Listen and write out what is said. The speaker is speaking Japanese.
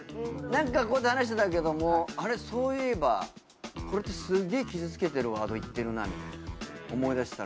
なんかこうして話してたけどもあれそういえばこれってすげえ傷つけてるワード言ってるなみたいな。